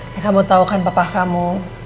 nah kamu tau kan papa kamu